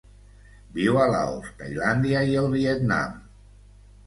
Viu a Laos, Tailàndia i el Vietnam.